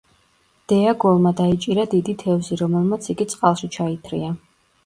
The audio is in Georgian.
დეაგოლმა დაიჭირა დიდი თევზი, რომელმაც იგი წყალში ჩაითრია.